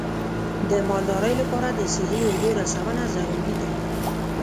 د مالدارۍ لپاره د صحي اوبو رسونه ضروري ده.